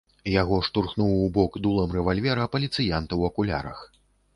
Яго штурхнуў у бок дулам рэвальвера паліцыянт у акулярах.